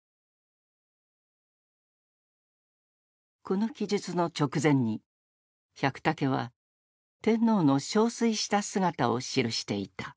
この記述の直前に百武は天皇の憔悴した姿を記していた。